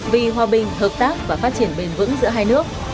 vì hòa bình hợp tác và phát triển bền vững giữa hai nước